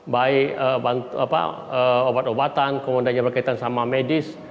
baik obat obatan kemudian berkaitan dengan medis